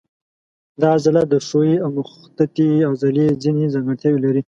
دا عضله د ښویې او مخططې عضلې ځینې ځانګړتیاوې لري.